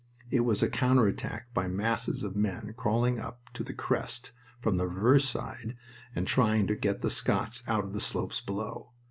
It was a counter attack by masses of men crawling up to the crest from the reverse side and trying to get the Scots out of the slopes below.